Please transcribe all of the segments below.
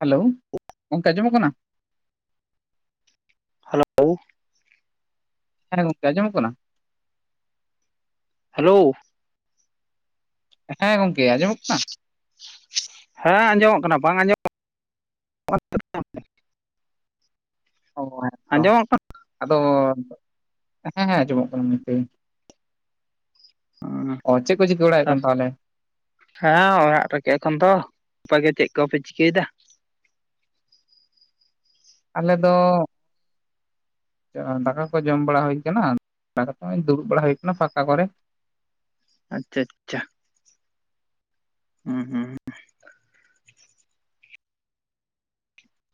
Hello ᱜᱚᱝᱠᱮ ᱟᱸᱡᱚᱢᱚᱜ ᱠᱟᱱᱟ? ᱦᱮᱞᱳ ᱦᱮᱸ ᱜᱚᱝᱠᱮ ᱟᱸᱚᱢᱚᱜ ᱠᱟᱱᱟ? ᱦᱮᱞᱳ ᱦᱮᱸ ᱜᱚᱝᱠᱮ ᱟᱸᱡᱚᱢᱚᱜ ᱠᱟᱱᱟ? ᱦᱮᱸ ᱟᱸᱡᱚᱢᱚᱜ ᱠᱟᱱᱟ ᱵᱟᱝ ᱟᱸᱡᱚᱢᱚᱜ ᱠᱟᱱᱟ, ᱚ ᱦᱮᱸ ᱛᱚ ᱟᱸᱡᱚᱢᱚᱜ ᱟᱫᱚ ᱦᱮᱸ ᱦᱮᱸ ᱟᱸᱡᱚᱢᱚᱜ ᱠᱟᱱᱟ ᱱᱤᱛᱫᱚ᱾ ᱦ ᱚ ᱪᱮᱫ ᱠᱚ ᱪᱤᱠᱟᱹ ᱵᱟᱲᱟᱭ ᱦᱩᱭᱩᱜ ᱛᱟᱥ ᱠᱟᱱᱟ [inaudible] ᱛᱟᱦᱚᱞᱮ ᱦᱮᱸ ᱚᱲᱟᱜ ᱨᱮᱜᱮ ᱮᱠᱷᱚᱱ ᱫᱚ ᱟᱯᱮ ᱜᱮ ᱪᱮᱫ ᱠᱚᱯᱮ ᱪᱤᱠᱟᱹᱭᱮᱫᱟ? ᱟᱞᱮ ᱫᱚᱼᱼ ᱫᱟᱠᱟ ᱠᱚ ᱡᱚᱢ ᱵᱟᱲᱟ ᱦᱩᱭ ᱠᱟᱱᱟ ᱫᱩᱲᱩᱵ ᱵᱟᱲᱟ ᱦᱩᱭ ᱠᱟᱱᱟ ᱯᱷᱟᱸᱠᱟ ᱠᱚᱨᱮ᱾ ᱟᱪᱪᱷᱟ ᱟᱪᱪᱷᱟ᱾ ᱦᱩᱸ ᱦᱩᱸ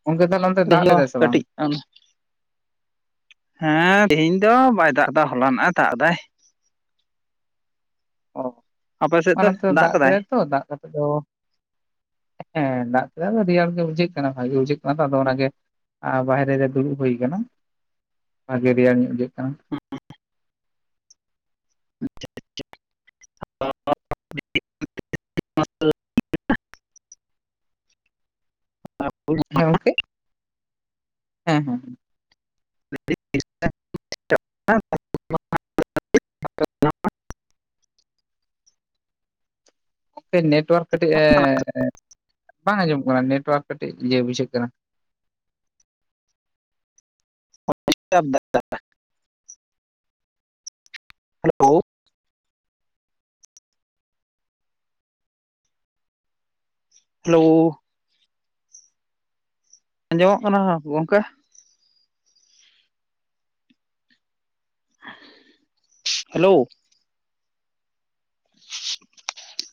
ᱜᱚᱝᱠᱮ ᱛᱟᱞᱦᱮᱼᱼ ᱠᱟᱹᱴᱤᱡ [inaudible] ᱦᱮᱸ ᱛᱮᱦᱤᱧ ᱫᱚ ᱵᱟᱭ ᱫᱟᱜ ᱫᱟ ᱦᱚᱞᱱᱟᱜ ᱫᱟᱜ ᱫᱟᱭ᱾ ᱚ ᱟᱯᱮ ᱥᱮᱫ ᱫᱚ ᱫᱟᱜ ᱠᱟᱫᱟᱭ? ᱛᱚ ᱫᱟᱜ ᱟᱫᱚ ᱦᱮᱸ ᱫᱟᱜ ᱠᱮᱫᱟᱭ ᱟᱹᱰ ᱨᱤᱭᱟᱲ ᱜᱮ ᱵᱩᱡᱷᱟᱹᱜ ᱠᱟᱱᱟ ᱵᱷᱟᱜᱮ ᱵᱩᱡᱷᱟᱹᱜ ᱠᱟᱱᱟ ᱛᱚ ᱟᱫᱚ ᱚᱱᱟᱜᱮ ᱟᱨ ᱵᱟᱦᱨᱮ ᱨᱮ ᱫᱩᱲᱩᱵ ᱦᱩᱭ ᱠᱟᱱᱟ, ᱵᱷᱟᱜᱤ ᱨᱮᱭᱟᱲ ᱧᱚᱜ ᱵᱩᱡᱷᱟᱹᱜ ᱠᱟᱱᱟ᱾ [inaudible] [inaudible] ᱦᱮᱸ ᱜᱚᱝᱠᱮ? ᱦᱮᱸ ᱦᱮᱸ᱾ [inaudible] ᱱᱮᱴᱣᱟᱨᱠ ᱠᱟᱹᱴᱤᱡ ᱮ ᱵᱟᱝ ᱟᱸᱡᱚᱢᱚᱜ ᱠᱟᱱᱟ, ᱱᱮᱴᱣᱟᱨᱠ ᱠᱟᱹᱴᱤᱡ ᱤᱭᱟᱹ ᱵᱩᱡᱷᱟᱹᱜ ᱠᱟᱱᱟ᱾ ᱰᱤᱥᱴᱟᱵ ᱫᱟᱭ᱾ ᱦᱮᱞᱳ᱾ ᱦᱮᱞᱳ᱾ ᱟᱸᱡᱚᱢᱚᱜ ᱠᱟᱱᱟ ᱵᱟᱝ ᱜᱚᱝᱠᱮ? ᱦᱮᱞᱳ᱾ [unintelligible]